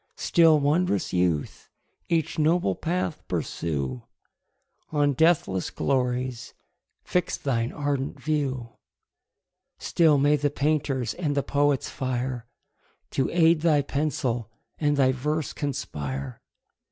Still, wond'rous youth! each noble path pursue, On deathless glories fix thine ardent view: Still may the painter's and the poet's fire To aid thy pencil, and thy verse conspire!